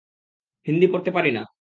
হিন্দি পড়তে পারিনা।